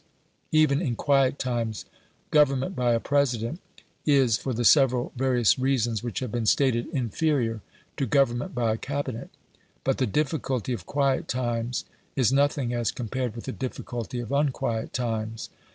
Even in quiet times, government by a President, is, for the several various reasons which have been stated, inferior to government by a Cabinet; but the difficulty of quiet times is nothing as compared with the difficulty of unquiet times.